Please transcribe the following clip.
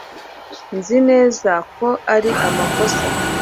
nzi neza ko ari amakosa